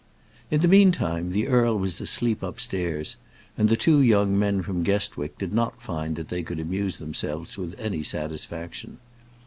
In the meantime, the earl was asleep upstairs, and the two young men from Guestwick did not find that they could amuse themselves with any satisfaction.